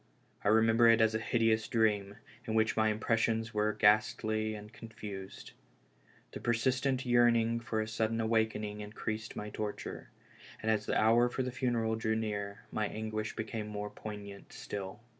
I remember it as a hideous dream, in which my impressions were ghastly and con fused, The persistent yearning for a sudden awakening increased my torture; and as the hour for the funeral drew nearer, my anguish became more poignant still.